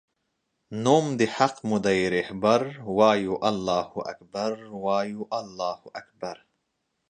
نوم د حق مودی رهبر وایو الله اکبر وایو الله اکبر